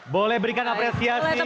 boleh berikan apresiasi yang penting